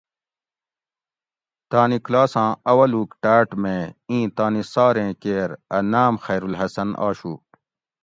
"تانی کلاساں اولوک ٹاٹ مے ایں تانی ساریں کیر ا نام ""خیرالحسن"" آشو"